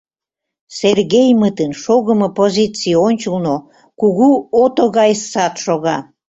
Сергеймытын шогымо позиций ончылно кугу ото гай сад шога.